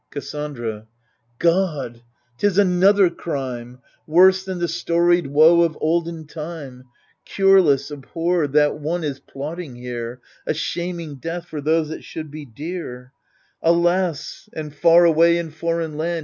Cassandra God 1 'tis another crime — Worse than the storied woe of olden time, Cureless, abhorred, that one is plotting here — A shaming death, for those that should be dear I Alas ! and far away, in foreign land.